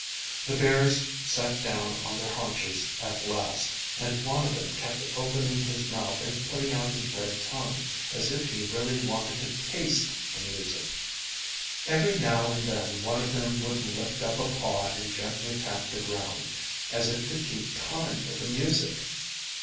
The bears sat down on their haunches at last, and one of them kept opening his mouth and putting out his red tongue, as if he really wanted to taste the music. Every now and then one of them would lift up a paw and gently tap the ground, as if to keep time with the music.